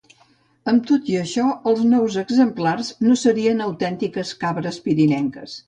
Amb tot i això els nous exemplars no serien autèntiques cabres pirinenques.